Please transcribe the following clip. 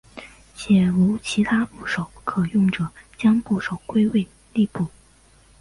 且无其他部首可用者将部首归为立部。